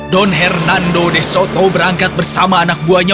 don hernando de soto berangkat bersama anak buahnya